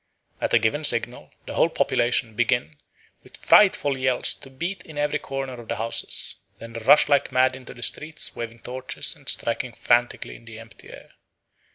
At a given signal the whole population begin with frightful yells to beat in every corner of the houses, then rush like mad into the streets waving torches and striking frantically in the empty air.